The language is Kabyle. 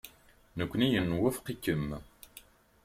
Nekkni nwufeq-ikem.